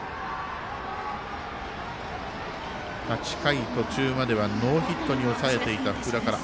８回途中まではノーヒットに抑えていた福田から。